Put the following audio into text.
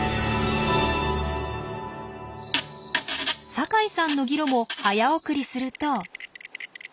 酒井さんのギロも早送りすると。